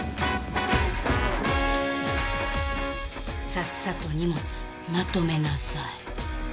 さっさと荷物まとめなさい。